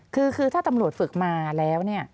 คือถ้าตำรวจฝึกมาแล้วเนี่ย